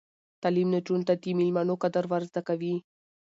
تعلیم نجونو ته د میلمنو قدر ور زده کوي.